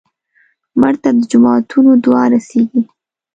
مړه ته د جوماتونو دعا رسېږي